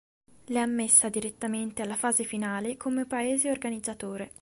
L' è ammessa direttamente alla fase finale come paese organizzatore.